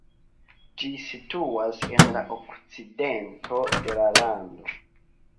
Ĝi situas en la okcidento de la lando.